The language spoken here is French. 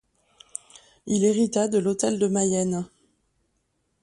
Il hérita de l'Hôtel de Mayenne.